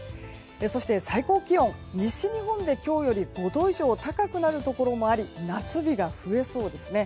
そして最高気温、西日本で今日より５度以上高くなるところもあり夏日が増えそうです。